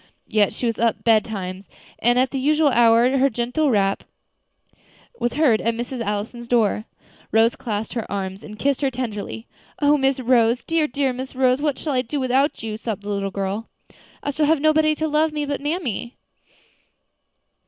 Yet she was up betimes, and at the usual hour her gentle rap was heard at Miss Allison's door. Rose clasped her in her arms and kissed her tenderly. "O Miss Rose! dear, dear Miss Rose, what shall I do without you?" sobbed the little girl. "I shall have nobody to love me now but mammy."